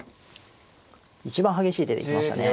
一番激しい手で行きましたね。